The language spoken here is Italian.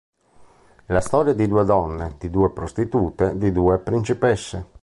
È la storia di due donne, di due prostitute, di due "principesse".